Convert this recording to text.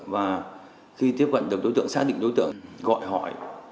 và khi tiếp cận được đối tượng xác định đối tượng gọi hỏi